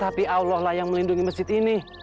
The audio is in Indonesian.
tapi allah lah yang melindungi masjid ini